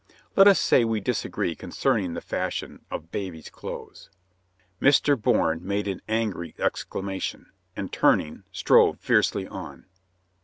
Let us say we disagree concerning the fashion of babies' clothes." Mr. Bourne made an angry exclamation, and, turning, strode fiercely on.